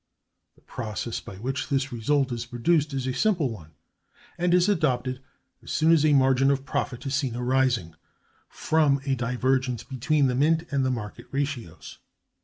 The process by which this result is produced is a simple one, and is adopted as soon as a margin of profit is seen arising from a divergence between the mint and market ratios.